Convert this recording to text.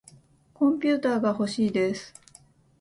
コンピューターがほしいです。